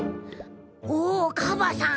おおカバさん